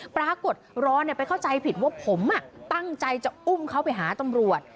ปรากฏร้อนไปเข้าใจผิดว่าผมตั้งใจจะอุ้มเขาไปหาตำรวจ